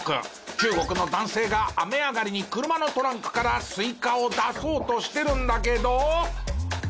中国の男性が雨上がりに車のトランクからスイカを出そうとしてるんだけど。